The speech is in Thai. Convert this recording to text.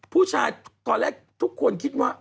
ผู้ชายตอนแรกทุกคนคิดว่า